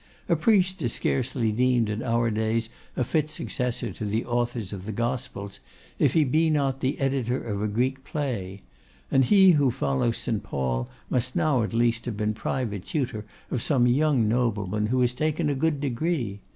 A priest is scarcely deemed in our days a fit successor to the authors of the gospels, if he be not the editor of a Greek play; and he who follows St. Paul must now at least have been private tutor of some young nobleman who has taken a good degree!